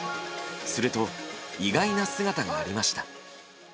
すると意外な姿がありました。